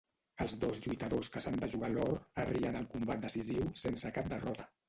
Els dos lluitadors que s'han de jugar l'or arrien al combat decisiu sense cap derrota.